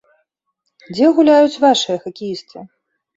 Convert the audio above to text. Дзе гуляюць вашыя хакеісты?